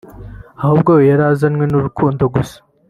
ahubwo we yarazanywe n’urukundo gusa